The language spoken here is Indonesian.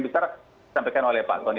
besar disampaikan oleh pak soni